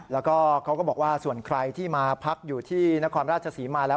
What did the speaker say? แล้วก็เขาก็บอกว่าส่วนใครที่มาพักอยู่ที่นครราชศรีมาแล้ว